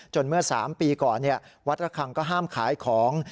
เมื่อ๓ปีก่อนวัดระคังก็ห้ามขายของ